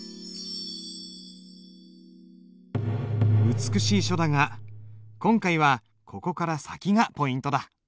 美しい書だが今回はここから先がポイントだ。